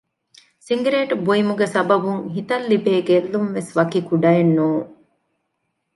ސިނގިރޭޓު ބުއިމުގެ ސަބަބުން ހިތަށް ލިބޭ ގެއްލުންވެސް ވަކި ކުޑައެއް ނޫން